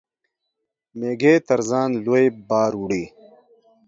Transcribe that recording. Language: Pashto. مېږى تر ځان لوى بار وړي.